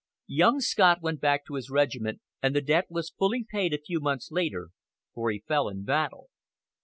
Young Scott went back to his regiment, and the debt was fully paid a few months later, for he fell in battle.